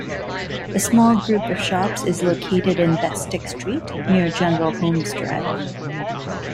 A small group of shops is located in Bestic Street near General Holmes Drive.